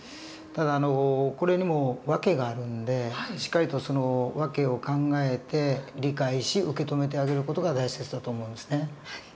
ただこれにも訳があるんでしっかりとその訳を考えて理解し受け止めてあげる事が大切だと思うんですね。